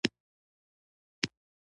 د هر بوټي غېږ کې ایښي ګلدسته وه.